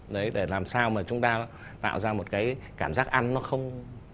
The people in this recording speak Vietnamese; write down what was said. đấy để làm sao mà chúng ta tạo ra một cái cảm giác ăn nó không